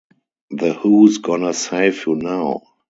The Who's Gonna Save You Now?